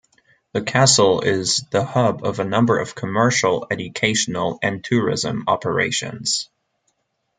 The castle is the hub of a number of commercial, educational and tourism operations.